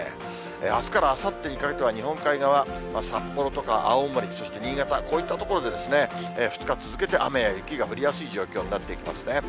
あすからあさってにかけては、日本海側、札幌とか青森、そして新潟、こういった所で、２日続けて雨や雪が降りやすい状況になっていきますね。